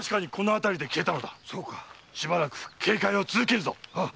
しばらく警戒を続けるぞ。